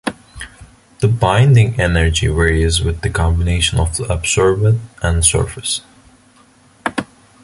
The binding energy varies with the combination of the adsorbate and surface.